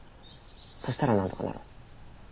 そしたらなんとかなる？